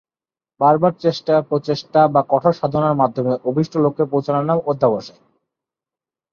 বার বার চেষ্টা, প্রচেষ্টা বা কঠোর সাধনার মাধ্যমে অভীষ্ট লক্ষ্যে পৌছানোর নাম অধ্যবসায়।